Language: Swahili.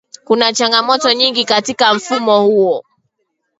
Kuna changamoto nyingi katika mfumo huo